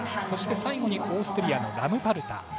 そして、最後にオーストリアのラムパルター。